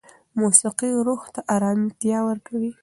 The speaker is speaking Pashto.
موسیقي روح ته ارامتیا ورکوي.